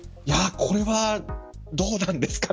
これはどうなんですかね。